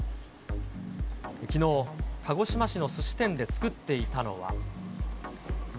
きのう、鹿児島市のすし店で作っていたのは。